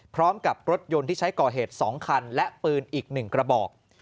พร้อมกับรถยนต์ที่ใช้ก่อเหตุ๒คันและปืนอีก๑กระบอก